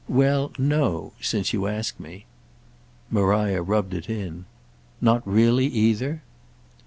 "Well, no—since you ask me." Maria rubbed it in. "Not really either?"